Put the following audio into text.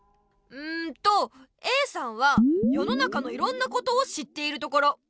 んとＡさんはよの中のいろんなことを知っているところ。